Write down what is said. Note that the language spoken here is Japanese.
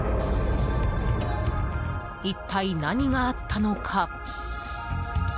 一体、何があったのか。